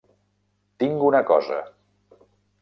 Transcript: Tinc una cosa!